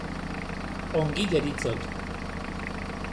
Ongi deritzot.